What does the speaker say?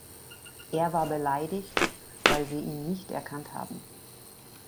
Er war beleidigt, weil sie ihn nicht erkannt haben.